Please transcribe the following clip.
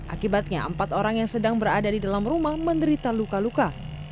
akibatnya empat orang yang sedang berada di dalam rumah menderita luka luka